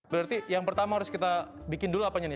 berarti yang pertama harus kita bikin dulu apanya nih